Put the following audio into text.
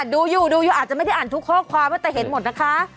ดูอยู่ดูอยู่อาจจะไม่ได้อ่านทุกข้อความว่าจะเห็นหมดนะคะ